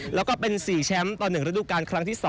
แล้วก็เป็น๔แชมป์ต่อ๑ฤดูการครั้งที่๒